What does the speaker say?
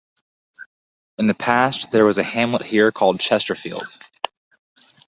In the past there was a hamlet here called Chesterfield.